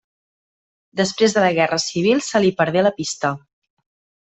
Després de la guerra civil se li perdé la pista.